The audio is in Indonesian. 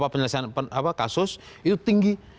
penyelesaian kasus itu tinggi